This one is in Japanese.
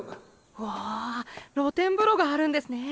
わあ露天風呂があるんですねェ。